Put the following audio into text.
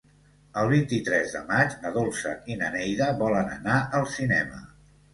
El vint-i-tres de maig na Dolça i na Neida volen anar al cinema.